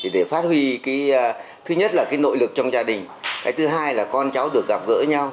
để phát huy thứ nhất là cái nội lực trong gia đình cái thứ hai là con cháu được gặp gỡ nhau